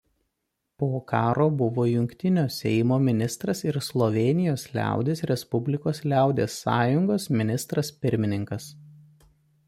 Po karo buvo jungtinio seimo ministras ir Slovėnijos Liaudies Respublikos "Liaudies Sąjungos" ministras pirmininkas.